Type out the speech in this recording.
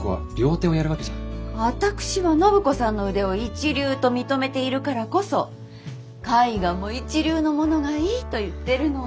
私は暢子さんの腕を一流と認めているからこそ絵画も一流のものがいいと言ってるの。